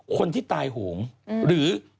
คนที่ตายโหงหรือ